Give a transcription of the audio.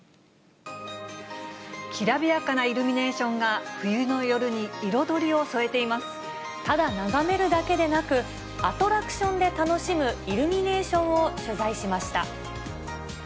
きらびやかなイルミネーショただ眺めるだけでなく、アトラクションで楽しむイルミネーションを取材しました。